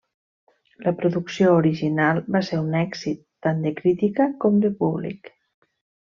La producció original va ser un èxit tant de crítica com de públic.